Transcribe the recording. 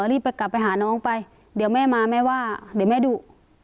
รีบไปกลับไปหาน้องไปเดี๋ยวแม่มาแม่ว่าเดี๋ยวแม่ดุ